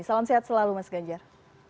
salam sehat selalu mas ganjar